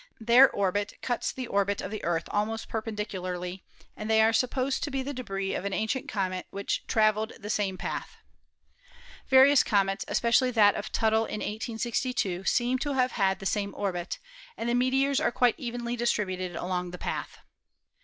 Their orbit cuts the orbit of the Earth almost perpendicularly, and they are supposed to be the debris of an ancient comet which traveled the same path. Various comets, especially that of Tuttle in COMETS, METEORS AND METEORITES 251 1862, seem to have had the same orbit, and the meteors are quite evenly distributed along the path.